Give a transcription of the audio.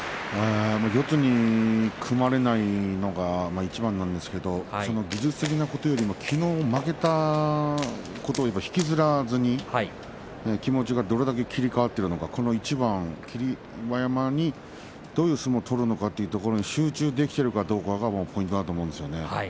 四つに組まれないのがいちばんなんですけれども技術的なことよりもきのう負けたことを引きずらずに気持ちが、どれだけ切り替わっているのか霧馬山にどういう相撲を取るのかというところに集中できているかどうかということですね。